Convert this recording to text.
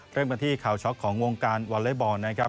เริ่มกันที่ข่าวช็อกของวงการวอเล็กบอลนะครับ